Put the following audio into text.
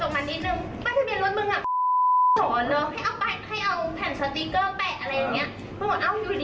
ปิดสติ๊กเกอร์